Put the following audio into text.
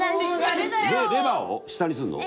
レバーを下にするの？